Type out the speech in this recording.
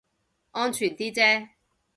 安全啲啫